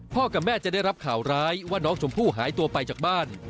กับแม่จะได้รับข่าวร้ายว่าน้องชมพู่หายตัวไปจากบ้าน